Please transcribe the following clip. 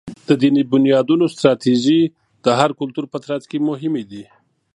د دینی بنیادونو ستراتیژۍ د هر کلتور په ترڅ کي مهمي دي.